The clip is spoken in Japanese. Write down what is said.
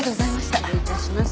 失礼いたします。